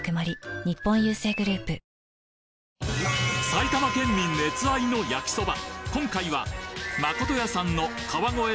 埼玉県民熱愛の焼きそば